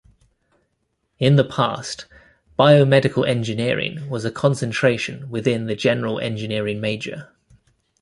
In the past, Biomedical Engineering was a concentration within the general engineering major.